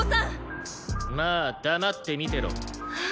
まあ黙って見てろ。